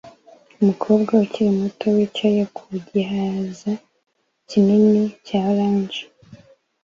Umukobwa ukiri muto wicaye ku gihaza kinini cya orange